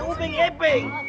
jangan salahkan uping eping